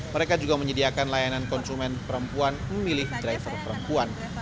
mereka juga menyediakan layanan konsumen perempuan memilih driver perempuan